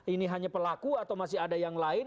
ini hanya pelaku atau masih ada yang lain